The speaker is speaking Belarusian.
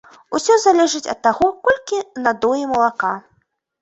Усё залежыць ад таго, колькі надоі малака.